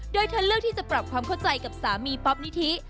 โดยเธอเลือกที่จะปรับความเข้าใจกับสามีป๊อปนิธิ